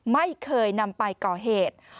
ไม่เคยนำไปก่อเหตุ